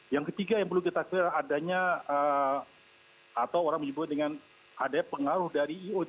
yang ketiga yang perlu kita ketahui adanya atau orang menyebut dengan adanya pengaruh dari iod